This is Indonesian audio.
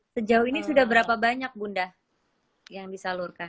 sejauh ini sudah berapa banyak bunda yang bisa lurkan